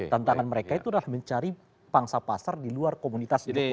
tantangan mereka itu adalah mencari pangsa pasar di luar komunitas jokowi